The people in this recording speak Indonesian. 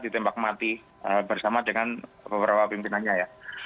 ditembak mati bersama dengan beberapa pimpinannya ya